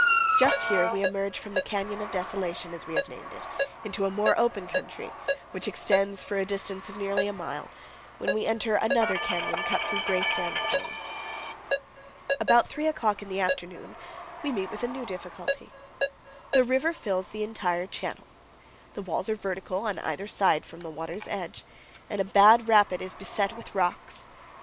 Just here we emerge from the Canyon of Desolation, as we have named it, into a more open country, which extends for a distance of nearly a mile, when we enter another canyon cut through gray sandstone. About three o'clock in the afternoon we meet with a new difficulty. The river fills the entire channel; the walls are vertical on either side from the water's edge, and a bad rapid is beset with rocks.